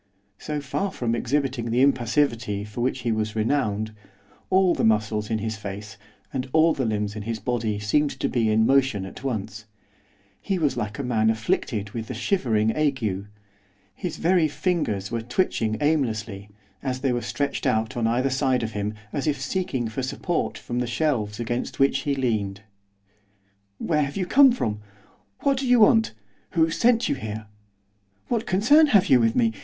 So far from exhibiting the impassivity for which he was renowned, all the muscles in his face and all the limbs in his body seemed to be in motion at once; he was like a man afflicted with the shivering ague, his very fingers were twitching aimlessly, as they were stretched out on either side of him, as if seeking for support from the shelves against which he leaned. 'Where have you come from? what do you want? who sent you here? what concern have you with me?